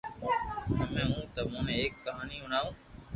ھمي ھو تمو نو ايڪ ڪھاني ھڻاووُ